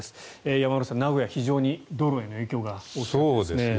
山村さん、名古屋、非常に道路への影響がすごいですね。